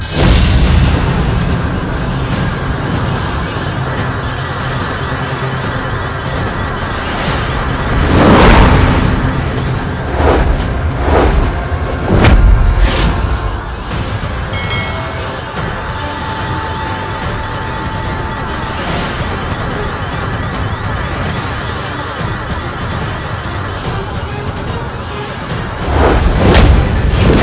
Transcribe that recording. kau muda terinspirasikanma